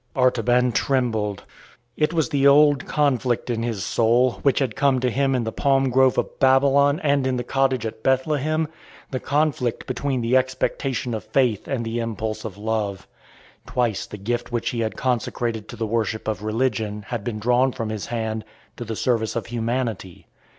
Artaban trembled. It was the old conflict in his soul, which had come to him in the palm grove of Babylon and in the cottage at Bethlehem the conflict between the expectation of faith and the impulse of love. Twice the gift which he had consecrated to the worship of religion had been drawn from his hand to the service of humanity.